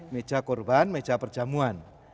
meja korban meja perjamuan